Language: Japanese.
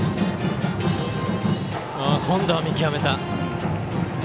今度は見極めた。